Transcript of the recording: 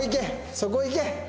そこいけ！